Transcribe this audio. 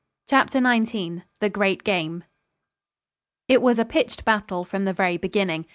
CHAPTER XIX THE GREAT GAME It was a pitched battle from the very beginning.